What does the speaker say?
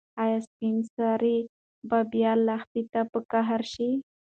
ایا سپین سرې به بیا لښتې ته په قهر شي؟